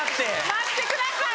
待ってください！